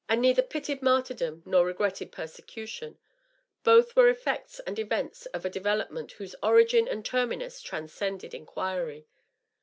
and neither pitied martyrdom nor regretted persecution ; both were effects and events of a development whose origin and terminus transcended inquiry.